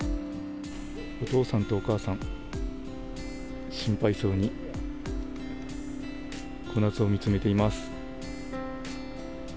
お父さんとお母さん、心配そうにコナツを見つめています。